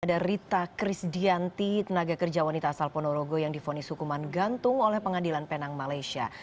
ada rita krisdianti tenaga kerja wanita asal ponorogo yang difonis hukuman gantung oleh pengadilan penang malaysia